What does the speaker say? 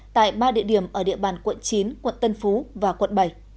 tại ba địa điểm ở địa bàn quận chín quận tân phú và quận bảy